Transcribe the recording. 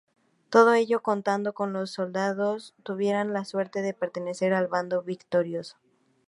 Todo ello contando que los soldados tuvieran la suerte de pertenecer al bando victorioso.